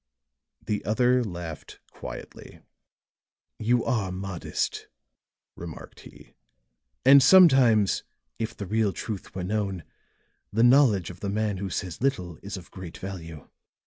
The other laughed quietly. "You are modest," remarked he. "And sometimes, if the real truth were known, the knowledge of the man who says little is of great value."